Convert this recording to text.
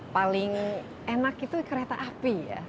paling enak itu kereta api ya